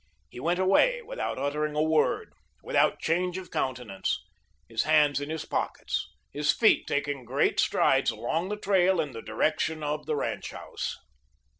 He went away without uttering a word, without change of countenance, his hands in his pockets, his feet taking great strides along the trail in the direction of the ranch house.